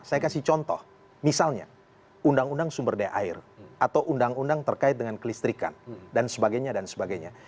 saya kasih contoh misalnya undang undang sumber daya air atau undang undang terkait dengan kelistrikan dan sebagainya dan sebagainya